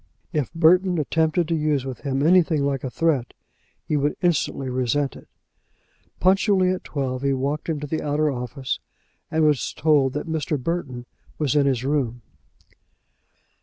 If Burton attempted to use with him anything like a threat he would instantly resent it. Punctually at twelve he walked into the outer office, and was told that Mr. Burton was in his room.